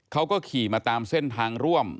เขาก็ขี่มาตามเส้นทางร่วม